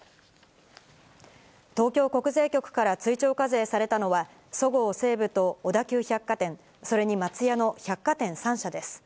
東京国税局から追徴課税されたのは、そごう・西武と小田急百貨店、それに松屋の百貨店３社です。